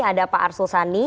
ada pak arsul sani